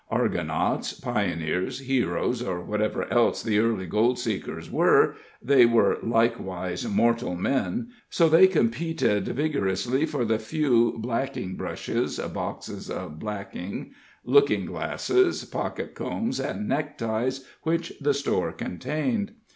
Argonauts, pioneers, heroes, or whatever else the early gold seekers were, they were likewise mortal men, so they competed vigorously for the few blacking brushes, boxes of blacking, looking glasses, pocket combs and neckties which the store contained.